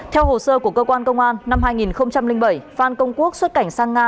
theo hồ sơ của cơ quan công an năm hai nghìn bảy phan công quốc xuất cảnh sang nga